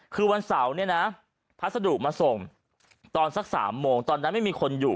คือวันเสาร์เนี่ยนะพัสดุมาส่งตอนสัก๓โมงตอนนั้นไม่มีคนอยู่